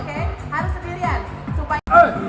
โอเคเราก็มีเกมส์ต่อไป